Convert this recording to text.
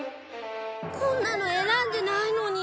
こんなの選んでないのに。